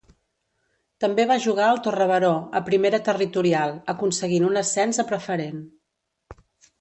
També va jugar al Torre Baró, a Primera Territorial, aconseguint un ascens a Preferent.